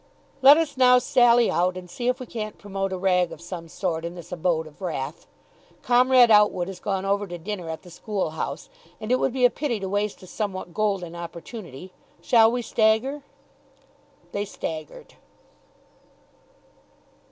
Let us now sally out and see if we can't promote a rag of some sort in this abode of wrath. Comrade Outwood has gone over to dinner at the School House, and it would be a pity to waste a somewhat golden opportunity. Shall we stagger?" They staggered.